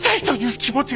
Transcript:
気持ちが！